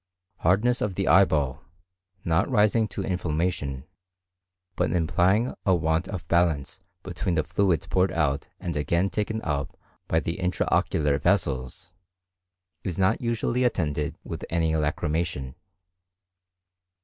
Hardness of the eyeball, not rising to inflammation, but implying a want of balance between the fluids poured out and again taken up by the intra ocular vessels, is not usually attended with any lacrymation.